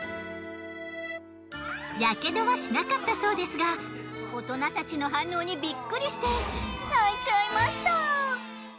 やけどはしなかったそうですが大人たちの反応にビックリして泣いちゃいました。